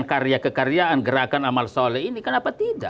karya kekaryaan gerakan amal soleh ini kenapa tidak